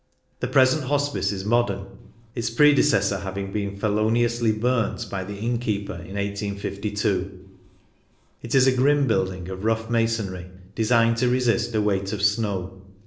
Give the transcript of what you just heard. The present Hospice is modern, its predecessor having been feloni ously burnt by the innkeeper in 1852. It is a grim building of rough masonry, designed to resist a weight of snow.